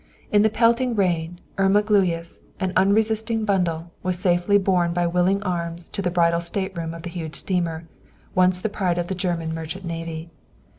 In the pelting rain, Irma Gluyas, an unresisting bundle, was safely borne by willing arms to the bridal stateroom of the huge steamer, once the pride of the German merchant navy.